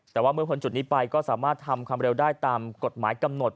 แต่ว่าเมื่อพ้นจุดนี้ไปก็สามารถทำความเร็วได้ตามกฎหมายกำหนด